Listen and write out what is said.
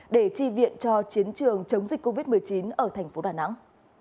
để tri viện cho chiến trường chống dịch covid một mươi chín ở thành phố đà nẵng